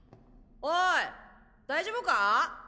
おい大丈夫かぁ？